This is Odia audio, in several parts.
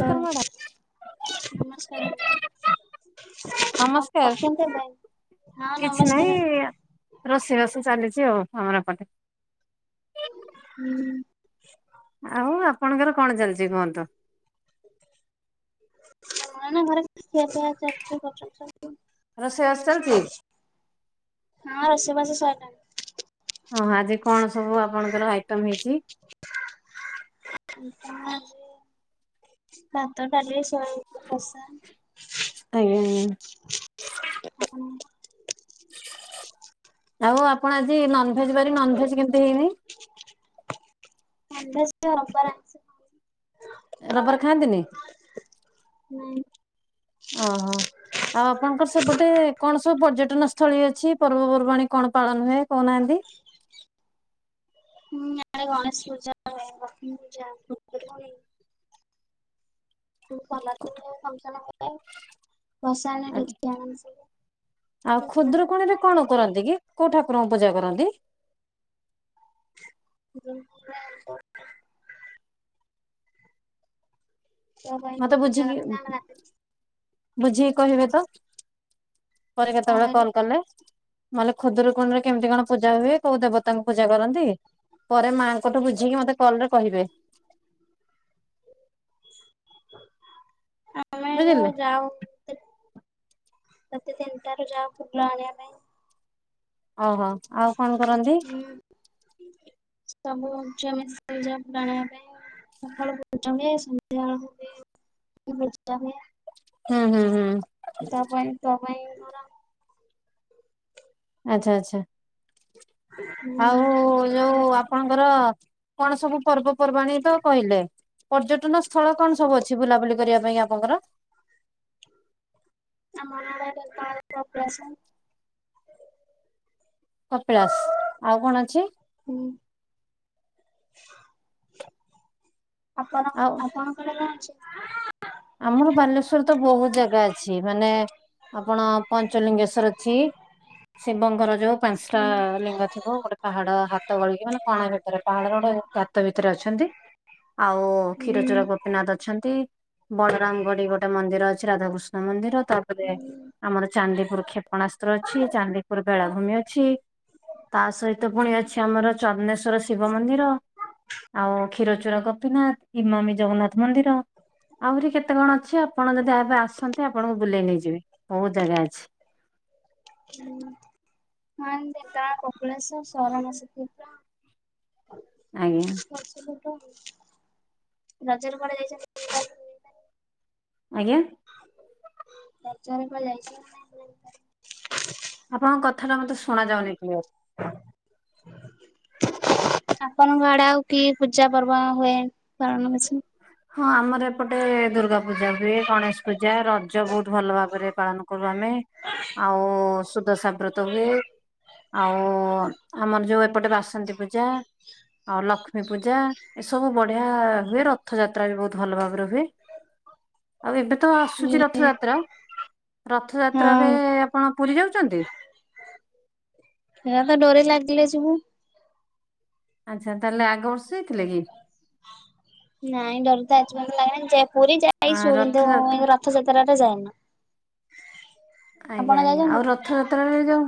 ତ ନମସ୍କାର ମ୍ୟାଡ଼ାମ ନମସ୍କାର। କଣ ନମସ୍କାର କରୁଛନ୍ତି ଏବେ? ହଁ କିଛି ନାହିଁ ନମସ୍କାର। ରୋଷେଇବାସ ଚାଲିଛି ଆଉ ଆମର ଏପଟେ। ହୁଁ। ଆଉ ଆପଣଙ୍କର କଣ ଚାଲିଚି କୁହନ୍ତୁ? [unintelligible] ଘରେ ଖିଆପିଆ ଚାଲିଚି [unintelligible] ରୋଷେଇ ବାସ ଚାଲିଛି। ହଁ ରୋଷେଇବାସ ସାଇଲାଣି। ଓହୋ ଆଜି କଣ ସବୁ ଆପଣଙ୍କର ଆଇଟମ୍ ହେଇଛି? ଆଜି ଭାତ, ଡାଲି, ସୋୟାବିନ କଷା। ଆଜ୍ଞା ଆଜ୍ଞା। ଆପଣ ଆଉ ଆପଣ ଆଜି ନନଭେଜ୍ ବାରି ନନଭେଜ୍ କେମିତି ହେଇନି? ନନଭେଜ୍ [unintelligible] ରବିବାରେ ଆସେନା। ରବିବାରେ ଖାଆନ୍ତିନି? ନାଇଁ। ଓ ହୋ। ଆଉ ଆପଣଙ୍କର ସେପଟେ କଣ ସବୁ ପର୍ଯ୍ୟଟନ ସ୍ଥଳୀ ଅଛି ପର୍ବପର୍ବାଣୀ କଣ ପାଳନ ହୁଏ କହୁନାହାନ୍ତି? [inaudible] ହୁଁ ଇଆଡେ ଗଣେଶ ପୂଜା ହୁଏ ଲକ୍ଷ୍ମୀ ପୂଜା, ଖୁଦୁରୁକୁଣୀ। [unintelligible] ଆଉ ଖୁଦୁରୁକୁଣି ରେ କଣ କରନ୍ତି? କି କୋଉ ଠାକୁରୁଙ୍କୁ ପୂଜା କରନ୍ତି? [unintelligible] ଇଆ ପାଇଁ ପୂଜା କରନ୍ତି ଆମେ ରାତିରୁ ବୁଝି କହିବେ ତ ପରେ କେତେବେଳେ କହିଲେ କଲ୍ କଲେ। ମ ହେଲେ ଖୁଦୁରୁକୁଣିରେ କେମିତି କଣ ପୂଜା ହୁଏ କୋଉ ଦେବତାଙ୍କୁ ପୂଜା କରନ୍ତି? ପରେ ମାଆଙ୍କ ଠୁ ବୁଝିକି ମତେ କଲ୍ ରେ କହିବେ। [unintelligible] ବୁଝିଲେ ରାତି ତିନିଟାରୁ ଯାଉ ଫୁଲ ଆଣିଆ ପାଇଁ। ଓହୋ ଆଉ କଣ କରନ୍ତି? ହୁଁ ସବୁ [unintelligible] ପାଇଁ। [unintelligible] ହୁଁ ହୁଁ ହୁଁ। ତାଆ ପାଇଁ ତା ପାଇଁ। ମୋର ଆଚ୍ଛା ଆଚ୍ଛା। ଆଉ ଯୋଉ ହୁଁ ଆପଣଙ୍କର କଣ ସବୁ ପର୍ବପର୍ବାଣୀ ତ କହିଲେ। ପର୍ଯ୍ୟଟନ ସ୍ଥଳ କଣ ସବୁ ଅଛି ବୁଲାବୁଲି କରିବା ପାଇଁ ଆପଣଙ୍କର? [unintelligible] କପିଳାସ୍। ଆଉ କଣ ଅଛି? ହୁଁ। ଆପଣ ଆଉ ଆପଣଙ୍କର [unintelligible] ଆମର ବାଲେଶ୍ଵରରେ ତ ବହୁତ ଜାଗା ଅଛି ମାନେ ଆପଣ ପଞ୍ଚଲିଙ୍ଗେଶ୍ଵର ଅଛି ଶିବଙ୍କର ଯୋଉ ପାଞ୍ଚଟା ହୁଁ ଲିଙ୍ଗ ଥିବ ଗୋଟେ ପାହାଡ ହାତ ଗଳିକି ମାନେ କଣା ଭିତରେ ପାହାଡର ଗୋଟେ ଗାତ ଭିତରେ ଅଛନ୍ତି। ଆଉ କ୍ଷୀର ହୁଁ ଚୋରା କ ନାଥ ଅଛନ୍ତି ବଳରାମ ଗଡି ଗୋଟେ ମନ୍ଦିର ଅଛି ରାଧାକୃଷ୍ଣ ମନ୍ଦିର ତା ରେ ଆମର ଚାନ୍ଦିପୁର କ୍ଷେପଣାସ୍ତ୍ର ଅଛି ଚାନ୍ଦିପୁର ବେଳାଭୂମି ଅଛି। ତା ସହିତ ପୁଣି ଅଛି ଆମର ଚନେଶ୍ଵର ଶିବ ମନ୍ଦିର। ଆଉ କ୍ଷୀରଚୁର କପି ନାଥ ଇମାମି ଜଗନ୍ନାଥ ମନ୍ଦିର। ଆହୁରି କେତେ କଣ ଅଛି ଆପଣ ଯଦି ଆ ଏବେ ଆସନ୍ତି ଆପଣଙ୍କୁ ବୁଲେଇ ନେଇଯିବେ ବହୁତ ଜାଗା ଅଛି। ହୁଁ ହଁ ଢେଙ୍କାନାଳ କପିଳାଶ ସରଣ ଶ୍ରୀକ୍ଷେତ୍ର। ଆଜ୍ଞା। ରଜରେ କୁଆଡେ ଯାଇଛନ୍ତି? ଆଜ୍ଞା। ରଜରେ କୁଆ [inaudible] ଆପଣଙ୍କ କଥା ଟା ମତେ ଶୁଣା ଯାଉନି କ୍ଲିୟର। ହଁ ଆପଣଙ୍କ ଆଡେ ଆଉ କି ପୂଜା ପର୍ବ ହୁଏ ପାଳନ ବେଶି? ହଁ ଆମର ଏପଟେ ଦୁର୍ଗା ପୂଜା ହୁଏ ଗଣେଶ ପୂଜା ରଜ ବହୁତ ଭଲ ଭାବରେ ପାଳନ କରୁ ଆମେ ଆଉ ସୁଧସା ବ୍ରତ ହୁଏ। ଆଉ ଆମର ଯୋଉ ଏପଟେ ବାସନ୍ତୀ ପୂଜା। ଆଉ ଲକ୍ଷ୍ମୀ ପୂଜା ଏସବୁ ବଢିଆ ହୁଏ ର ରଥଯାତ୍ରା ବି ବହୁତ ଭଲ ଭାବରେ ହୁଏ। ଆଉ ଏବେ ତ ହୁଁ ଆସୁଚି ରଥଯାତ୍ରା ହଁ ରଥଯାତ୍ରାରେ ଆପଣ ପୁରୀ ଯାଉଚନ୍ତି? ହେରା ତ ଡୋରି ଲାଗିଲେ ଯିବୁ। ଆଚ୍ଛା ତାହେଲେ ଆଗ ବର୍ଷ ଯାଇଥିଲେ କି? ନାଇଁ ଡର ତ ଆଜି ପର୍ଯ୍ୟନ୍ତ ଲାଗେନା କିନ୍ତୁ ସେ ପୁରୀ ଆ ଯାଇଛୁ କିନ୍ତୁ ରଥଯାତ୍ରା ଏ ରଥଯାତ୍ରା ରେ ଯାଏନ। ଆଜ୍ଞା ଆଜ୍ଞା ଆଉ ଯାଇଛନ୍ତି? ରଥଯାତ୍ରା ରେ ଯଉ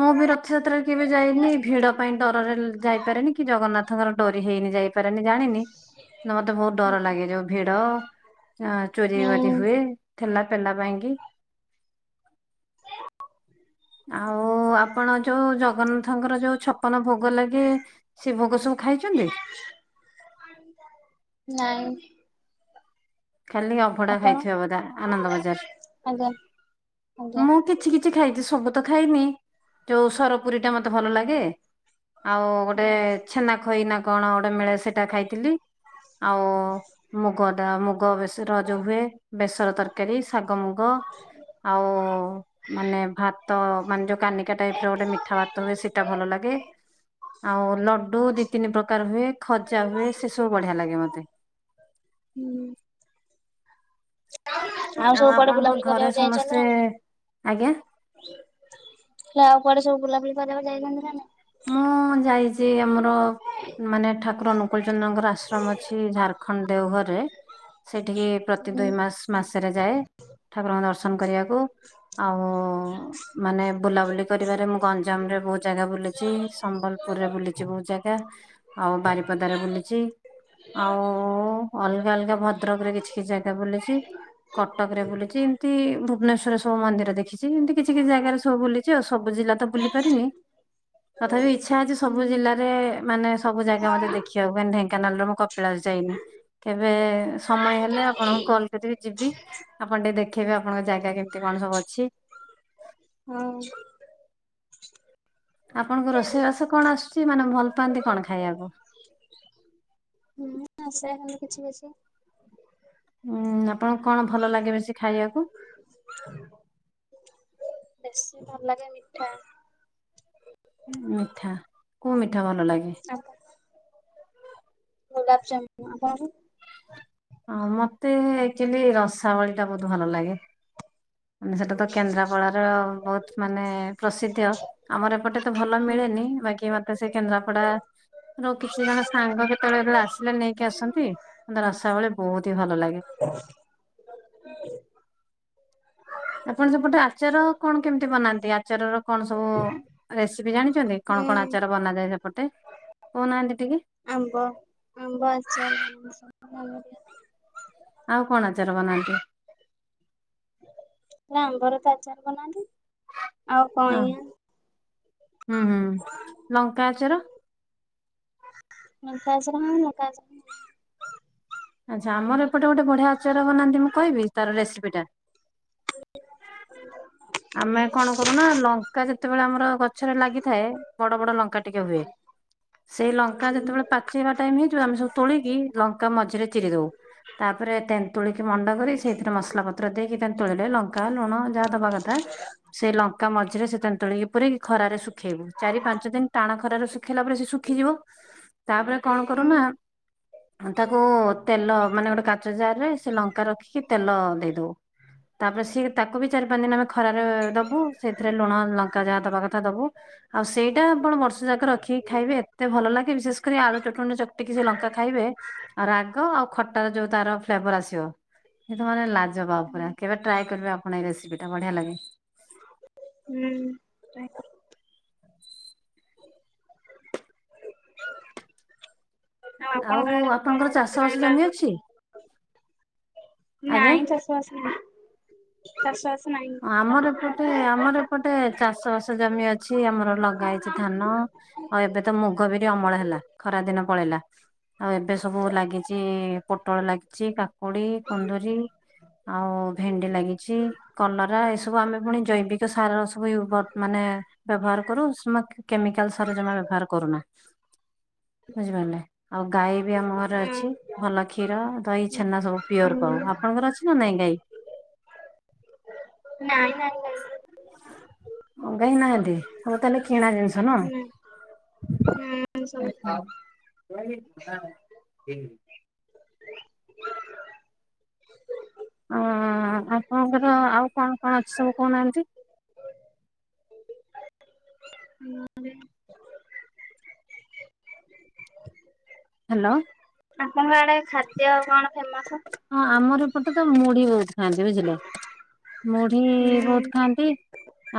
ମୁଁ ବି ରଥଯାତ୍ରାରେ କେବେ ଯାଇନି ଭିଡ ପାଇଁ ଡରରେ ଉଁ ଯାଇପାରେନି କି ଜଗନ୍ନାଥଙ୍କର ଡୋରି ହେଇନି ଯାଇପାରେନି ଜାଣିନି। [unintelligible] ବହୁତ ଡର ଲାଗେ ଯୋଉ ଭିଡ ଆଁ ଚୋରି ହୁଁ ବାରି ହୁଏ। ଠେଲା ପେଲା ପାଇଁ କିି। ଆଉ ଆପଣ ଯୋଉ ଜଗନ୍ନାଥଙ୍କର ଯୋଉ ଛପନ ଭୋଗ ଲାଗେ ସେ ଭୋଗ ସବୁ ଖାଇଚନ୍ତି? ନାଇଁ। ଖାଲି ଅଭଡା ଆପଣ? ଖାଇଥିବେ ବୋଧେ ଆନନ୍ଦ ଆଜ୍ଞା ଆଜ୍ଞା ବଜାର କିଛି କିଛି ଖାଇଚି ସବୁ ତ ଖାଇନି ଯୋଉ ସରପୁରୀ ଟା ମତେ ଭଲ ଲାଗେ। ଆଉ ଗୋଟେ ଛେନା ଖଇ ନା କଣ ଗୋଟେ ମିଳେ ସେଟା ଖାଇଥିଲି ଆଉ ମୁଗଦା ମୁ ସେ ରଜ ହୁଏ ବେସର ତରକାରୀ ଶାଗ ମୁଗ ଆଉ ମାନେ ଭାତ ମାନେ ଯୋଉ କାନିକା ଟାଇପ୍ ର ଗୋଟେ ମିଠା ଭାତ ହୁଏ ସେଟା ଭଲ ଲାଗେ। ଆଉ ଲଡୁ ଦି ତିନି ପ୍ରକାର ହୁଏ ଖଜା ହୁଏ ସେ ସବୁ ବଢିଆ ଲାଗେ ମତେ। ହୁଁ। ଆଉ ସବୁ କୁଆଡେ ଆପଣଙ୍କ ବୁଲାବୁଲି ଘରେ କରିଆକୁ ଚାଇଚନ୍ତି ସମସ୍ତେ ଆଜ୍ଞା ନା ସିଏ ଆଉ କୁଆଡେ ସବୁ ବୁଲାବୁଲି କରିବାକୁ ଯାଇଚନ୍ତି ନା ନାଇଁ? ହଁ ଯାଇଚି ଆମର ମାନେ ଠାକୁର ଅନୁକୂଳ ଚନ୍ଦ୍ରଙ୍କର ଆଶ୍ରମ ଅଛି ଝାରଖଣ୍ଡ ଦେଓଘରରେ। ସେଠିକି ପ୍ରତି ହୁଁ ଦୁଇ ମାସ ମାସେରେ ଯାଏ ଠାକୁରଙ୍କ ଦର୍ଶନ କରିବାକୁ। ଆଉ ମାନେ ବୁଲାବୁଲି କରିବାରେ ମୁଁ ଗଞ୍ଜାମ ରେ ବହୁତ୍ ଜାଗା ବୁ ଚି ସମ୍ବଲପୁରରେ ବୁଲିଚି ବହୁତ୍ ଜାଗା ଆଉ ବାରିପଦା ରେ ବୁଲିଚି। ଆଉ ଅଲଗା ଅଲଗା ଭଦ୍ରକ୍ ରେ କିଛି କିଛି ଜାଗା ବୁଲିଚି। କଟକ ରେ ବୁଲିଚି, ଏମତି ଭୁବନେଶ୍ୱରରେ ସବୁ ମନ୍ଦିର ଦେଖି ଚି ଏମିତି କିଛି କିଛି ଜାଗାରେ ସବୁ ବୁଲିଚି ଆଉ ସବୁ ଜିଲ୍ଲା ତ ବୁଲି ପାରିନି ତଥାପି ଇଚ୍ଛା ଅଛି ସବୁ ହୁଁ ଜିଲ୍ଲାରେ ମାନେ ସବୁ ଜାଗା ମତେ ଦେ ଖିଆକୁ ମାନେ ଢେଙ୍କାନାଳ ର ମୁଁ କପିଳାସ ଯାଇନି କେବେ ସମୟ ହେଲେ ଆପଣଙ୍କୁ କଲ୍ ସେଠିକି ଯିବି ଆପଣ ଟିକେ ଦେଖେଇବେ ଆପଣଙ୍କ ଜାଗା କେମତି କଣ ସବୁ ଅଛି। ହଉ [unintelligible] ଆପଣଙ୍କୁ ରୋଷେଇ ବାସ କଣ ଆସୁଚି ମାନେ ଭଲ ପାଆନ୍ତି କଣ ଖାଇବାକୁ? ଆଶେ ହେଲେ କିଛି କିଛି। ଉଁ ଆପଣଙ୍କୁ କଣ ଭଲ ଲାଗେ ବେଶୀ ଖାଇବାକୁ? ବେଶୀ ଭଲ ଲାଗେ ମିଠା ମିଠା କୋଉ ମିଠା ଭଲ ଲାଗେ? ସାଧା। ଗୁଲାବଜାମୁ ଆପଣଙ୍କୁ [unintelligible] ହଁ ମତେ ଆକଚୁଲି ରସାବଳି ଟା ବୋହୁତୁ ଭଲ ଲାଗେ। ଉଁ ସେଟା ତ କେନ୍ଦ୍ରାପଡାର ବହୁତ ମାନେ ପ୍ରସିଧ୍ୟ ଆମର ଏପଟେ ଭଲ ହୁଁ। ମିଳେନି ବାକି ମ ତ ସେ କେନ୍ଦ୍ରାପଡା ର କିଛି ଜଣ ସାଙ୍ଗ ଯେତେବେଳେ ଯେତେବେଳେ ଆସିଲେ ନେଇକି ଆସନ୍ତି ଧର ରସାବଳି ବୋହୁତ ହି ଭଲ ଲାଗେ। [inaudible] [unintelligible] ଆପଣ ସେପଟେ ଆଚାର କଣ କେମନ୍ତି ବନାନ୍ତି ଆଚାରର କଣ ସବୁ ରେସିପି ଜାଣିଚନ୍ତି କଣ କଣ ହୁଁ ଆଚାର ବନାଯାଏ ସେପଟେ? କୋଉ ନାଆନ୍ତି ଟିକେ। ଆମ୍ବ ଆମ୍ବ ଆଚାର ବନାଯାଏ। ଆଉ କଣ ଆଚାର ବନାନ୍ତି? ନା ଆମ୍ବରେ ତ ଆଚାର ବନାନ୍ତି ଆଉ ଓ କଇଁଆ ହୁଁ, ହୁଁ ଲଙ୍କା ଆଚାର। ଲଙ୍କା ଆଚାର ମାନେ ଲଙ୍କା ଆଚାର ଆଚ୍ଛା ଆମର ଏପଟେ ଗୋଟେ ବଢିଆ ଆଚାର ବନାନ୍ତି ମୁଁ କହିବି ତାର ରେସିପି ଟା। ଆମେ କଣ କରୁନା ଲଙ୍କା ଯେତେବେଳେ ଆମର ଗ ଗଛରେ ଲାଗିଥାଏ ବଡ ବଡ ଲଙ୍କା ଟିକେ ହୁଏ ସେଇ ଲଙ୍କା ଯେତେବେଳେ ପାଚି ପାଚି ଜିବା ଟାଇମ୍ ହେଇଯିବ ଆମେ ସବୁ ତୋଳିକି ଲଙ୍କା ମଝିରେ ଚିରି ଦଉ ତାପରେ ତେନ୍ତୁଳି କି ମଣ୍ଡ କରି ସେଇଥିରେ ମସଲା ପତ୍ର ଦେଇକି ତେନ୍ତୁଳିରେ ଲଙ୍କା, ଲୁଣ ଯାହା ଦବା କଥା ସେଇ ଲଙ୍କା ମଝିରେ ସେ ତେନ୍ତୁଳିକୁ ପୁରେଇ ଖରାରେ ଶୁଖେଇବୁ ଚାରି ପାଞ୍ଚ ଦିନ ଟାଣ ଖରାରେ ଶୁଖେଇଲା ପରେ ସେ ଶୁଖିଯିବ। [inaudible] ତାପରେ କଣ କରୁନା ତାକୁ ତେଲ ମାନେ ଗୋଟେ କାଚ ଜାରରେ ସେ ଲଙ୍କା ରଖିକି ତେଲ ଦେଇଦଉ। ତାପରେ ସିଏ ତାକୁ ବି ଚାରି ପାଞ୍ଚ ଦିନ ଆମେ ଖରାରେ ଦବୁ ସେଇଥିରେ ଲୁଣ ଲଙ୍କା ଯାହା ଦବା କଥା ଦବୁ ଆଉ ସେଇଟା ଆପଣ ବର୍ଷକ ଯାକ ରଖିକି ଖାଇବେ ଏତେ ଭଲ ଲାଗେ ବିଶେଷ କରି ଆଳୁ ଚଟଣି ରେ ଚକିଟି ସେ ଲଙ୍କା ଖାଇବେ ରାଗ ଆଉ ଖଟାର ଯୋଉ ତାର ଫ୍ଲେବର ଆସିବ ତମେ ଲାଜପା ପୁରା କେବେ ଟ୍ରାଏ କରିବେ ଆପଣ ଏଇ ରେସିପିଟା ବଢିଆ ଲାଗେ ହୁଁ। ଆଉ ଆପଣଙ୍କ ଆଉ ଆଡେ କଣ ଆପଣଙ୍କର ଚାଷବାସ ଖାଇବା ଜମି ଅଛି ଆଜ୍ଞା। ନାଇଁ ଚାଷବାସ ହେଇନି। ଚାଷବାସ ଆମର ଏପଟେ ନାଇଁ। ଆମର ଏପଟେ ଚାଷବାସ ଜମି ଅଛି ଆମର ଲଗା ହେଇଛି ଧାନ ଆଉ ଏବେ ତ ମୁଗ, ବିରି ଅମଳ ହେଲା ଖରାଦିନ ପଳେଇଲା ଆଉ ଏବେ ସବୁ ଲାଗିଛି ପୋଟଳ ଲାଗିଛି କା କାକୁଡି, କୁନ୍ଦୁରି ଆଉ ଭେଣ୍ଡି ଲାଗିଛି କଲରା ଏ ସବୁ ଆମେ ପୁଣି ଜୈବିକ ସାର ସବୁ ଉବର ମାନେ ବ୍ୟବହାର କରୁ କେମିକାଲ ସାରଜମା ବ୍ୟବହାର କରୁନା ବୁଝିପାରିଲେ ଆଉ ଗାଈ ବି ଆମ ଘରେ ହୁଁ ଅଛି ଭଲ କ୍ଷୀର, ଦହି, ଛେନା ସବୁ ପିଓର ହୁଁ। ପାଉ ଆପଣଙ୍କର ଅଛି? ନା ନାଇଁ ଗାଇ ନାଇଁ ନାଇଁ ନାଇଁ। ଗାଈ ନାହାନ୍ତି ତମର ତାହେଲେ କିଣା ଜିନିଷ ହୁଁ ନୁହଁ ସବୁ [inaudible] ଆ ଆପଣଙ୍କର ଆଉ କଣ କଣ ଅଛି ସବୁ କହୁନାହାନ୍ତି? [inaudible] ହ୍ୟାଲୋ। ଆପଣଙ୍କ ଆଡେ ଖାଦ୍ୟ କଣ ଫେମସ ହଁ ଆମର ଏପଟେ ତ ମୁଢି ବହୁତ ଖାଆନ୍ତି ବୁଝିଲେ ମୁଢି ହୁଁ ବହୁତ ଖାଆନ୍ତି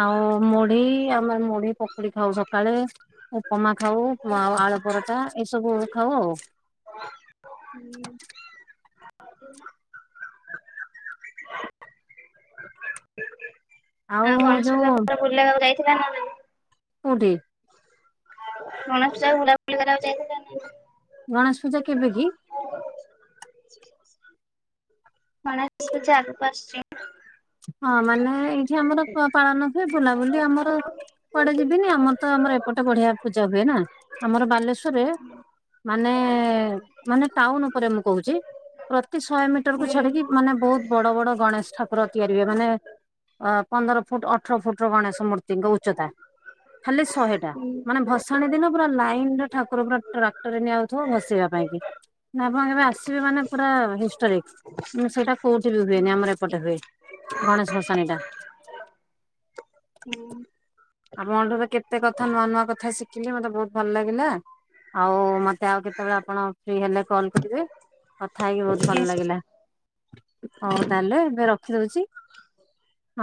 ଆଉ ମୁଢି ଆମର ମୁଢି ପକୁଡି ଖାଉ ସକାଳେ ଉପମା ଖାଉ, ଆଉ ଆଳୁ ପରଟା ଏସବୁ ଖାଉ ଆଉ [inaudible] ଆଉ ଗଣେଶପୂଜା ପର ବୁଲିଆକୁ ଯାଇଥିଲେ ନାଇଁ କୋଉଠି ଗଣେଶପୂଜାକୁ ବୁଲାବୁଲି କରିବାକୁ ଯାଇନଥାନ୍ତେ ଗଣେଶପୂଜା କେବେ କି? [unintelligible] ହଁ ମାନେ ଏଇଠି ଆମର ପାଳନ ହୁଏ, ବୁଲାବୁଲି ଆମର କୁଆଡେ ଯିବିନି ଆମର ତ ଆମର ଏପଟେ ବଢିଆ ପୂଜାହୁଏ ନା ଆମର ବାଲେଶ୍ୱରରେ ମାନେ ମାନେ ଟାଉନ ଉପରେ ମୁଁ କହୁଛି ପ୍ରତି ଶହେମିଟରକୁ ହୁଁ ଛାଡିକି ମାନେ ବହୁତ ବଡ ବଡ ଗଣେଶ ଠାକୁର ତିଆରି ହୁଏ ମାନେ ଅ ପନ୍ଦରଫୁଟ୍ ଅଠରଫୁଟ୍ ର ଗଣେଶ ମୂର୍ତ୍ତିଙ୍କ ଉଚ୍ଚତା ଖାଲି ଶହେଟା। ହୁଁ ମାନେ ଭସାଣୀ ଦିନ ପୁରା ଲାଇନରେ ଠାକୁର ପୁରା ଟ୍ରାକ୍ଟରରେ ନିଆଯାଉଥିବ ଭସିବା ପାଇଁ କି। ନାଁ ଆପଣ କେବେ ଆସିବେ ମାନେ ପୁରା ହିଷ୍ଟୋରିକ୍ ସେଇଟା କୋଉଠି ବି ହୁଏନି ଆମର ଏପଟେ ହୁଏ। ଗଣେଶ ଭଷାଣୀ ଟା। ହୁଁ। ଆପଣଠାରୁ କେତେ କଥା ନୂଆ ନୂଆ କଥା ଶିଖିଲି ମତେ ବହୁତ ଭଲ ଲାଗିଲା। ଆଉ ମତେ ଆଉ କେତେବେଳେ ଆପଣ ଫି ହେଲେ କଲ୍ କରିବେ। କଥା ହେଇକି ବହୁତ ଭଲ ହୁଁ। ଲାଗିଲା। ହଉ ତାହଲେ ଏବେ ରଖିଦଉଛି।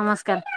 ନମସ୍କାର।